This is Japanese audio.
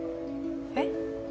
えっ？